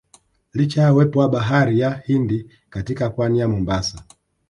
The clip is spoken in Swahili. Licha ya uwepo wa bahari ya Hindi katika Pwani ya Mombasa